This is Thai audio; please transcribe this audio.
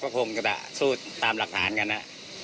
ก็คงก็สู้ตามหลักฐานกันอ่ะ